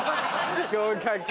合格。